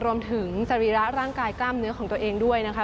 สรีระร่างกายกล้ามเนื้อของตัวเองด้วยนะคะ